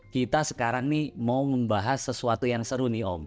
kita sekarang nih mau membahas sesuatu yang seru nih om